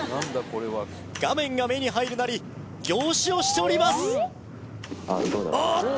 画面が目に入るなり凝視をしておりますおおっと！